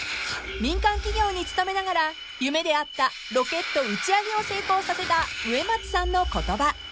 ［民間企業に勤めながら夢であったロケット打ち上げを成功させた植松さんの言葉］